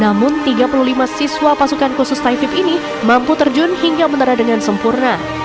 dan para siswa pasukan khusus taifib ini mampu terjun hingga menerat dengan sempurna